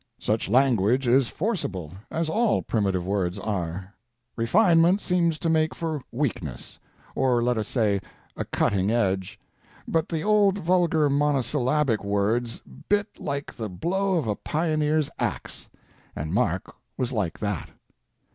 Such language is forcible as all primitive words are. Refinement seems to make for weakness or let us say a cutting edge but the old vulgar monosyllabic words bit like the blow of a pioneer's ax and Mark was like that.